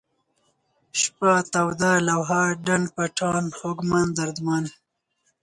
شپه ، توده ، لوحه ، ډنډ پټان ، خوږمن ، دردمن